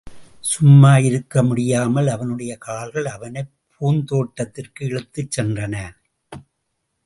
சும்மா இருக்க முடியாமல் அவனுடைய கால்கள் அவனைப் பூந்தோட்டத்திற்கு இழுத்துச் சென்றன.